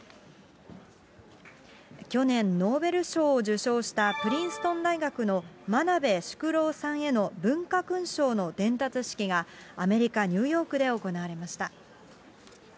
去年、ノーベル賞を授賞したプリンストン大学の真鍋淑郎さんへの文化勲章の伝達式が、アメリカ・ニューヨークで行われました。